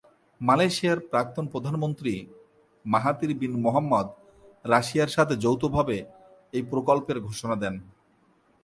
মালয়েশিয়ার প্রাক্তন প্রধানমন্ত্রী মাহাথির বিন মোহাম্মদ রাশিয়ার সাথে যৌথভাবে এই প্রকল্পের ঘোষণা দেন।